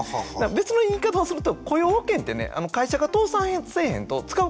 別の言い方をすると雇用保険ってね会社が倒産せえへんと使うことないんですよ。